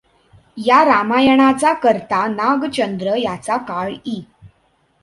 या रामायणाचा कर्ता नागचंद्र याचा काळ इ.